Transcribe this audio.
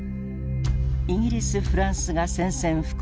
イギリスフランスが宣戦布告。